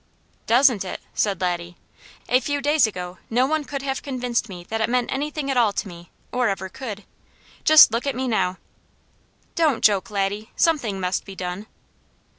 "Doesn't it?" said Laddie. "A few days ago no one could have convinced me that it meant anything at all to me, or ever could. Just look at me now!" "Don't joke, Laddie! Something must be done."